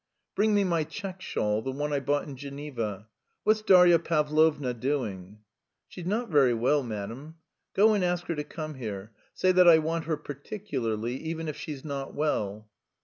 "Bring me my check shawl, the one I bought in Geneva. What's Darya Pavlovna doing?" "She's not very well, madam." "Go and ask her to come here. Say that I want her particularly, even if she's not well."